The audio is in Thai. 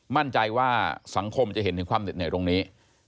มั่นใจว่าสังคมจะเห็นถึงความเหน็ดเหนื่อยตรงนี้